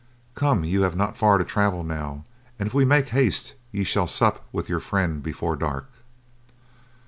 "Come, you have not far to travel now, and if we make haste you shall sup with your friend before dark."